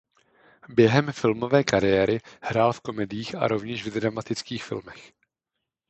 Během filmové kariéry hrál v komediích a rovněž v dramatických filmech.